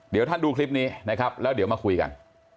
เดี๋ยวท่านดูคลิปนี้แล้วมาคุยกัน